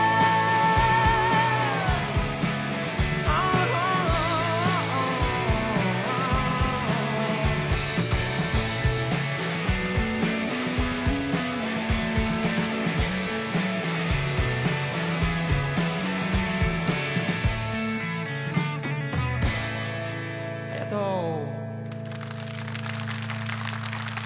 ありがとう。